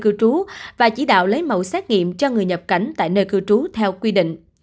cư trú và chỉ đạo lấy mẫu xét nghiệm cho người nhập cảnh tại nơi cư trú theo quy định